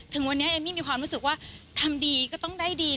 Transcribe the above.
ถึงวันนี้เอมมี่มีความรู้สึกว่าทำดีก็ต้องได้ดี